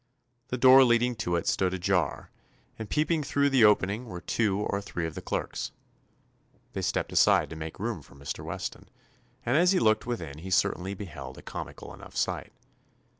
The door leading to it stood ajar, and peeping through the opening were too or three of the clerks. They stepped aside to make room for Mr. Weston, and as he looked within he certainly beheld a comical enough sight.